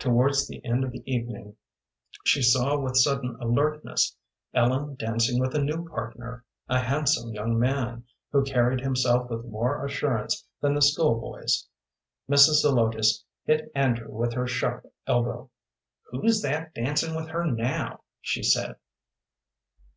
Towards the end of the evening she saw with sudden alertness Ellen dancing with a new partner, a handsome young man, who carried himself with more assurance than the school boys. Mrs. Zelotes hit Andrew with her sharp elbow. "Who's that dancing with her now?" she said.